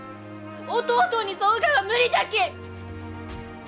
弟に添うがは無理じゃき！